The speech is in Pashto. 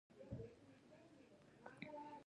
بلکې خپل اولاد ته یې توصیې کړې دي.